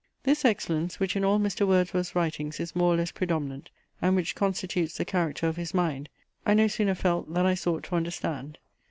This excellence, which in all Mr. Wordsworth's writings is more or less predominant, and which constitutes the character of his mind, I no sooner felt, than I sought to understand.